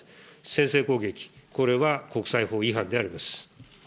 先制攻撃、これは国際法違反であります。